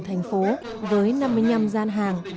thành phố với năm mươi năm gian hàng